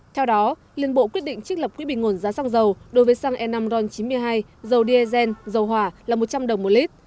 theo đó liên bộ quyết định trích lập quỹ bình nguồn giá xăng dầu đối với xăng e năm ron chín mươi hai dầu diesel dầu hỏa là một trăm linh đồng một lít